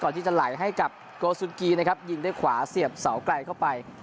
ก่อนที่จะไหลให้กับกอศุกรีนะครับยิงด้วยขวาเสียบเสาร์ใกล้เข้าไป